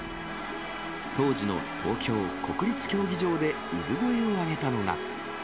当時の東京・国立競技場で産声を上げたのが。